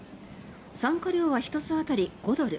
参加料は１つ当たり５ドル